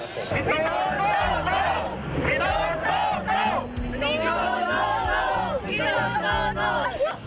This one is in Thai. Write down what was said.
พี่ตูนโซโซโซ